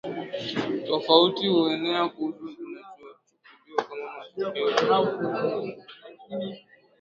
tofauti huenea kuhusu kinachochukuliwa kama matokeo ya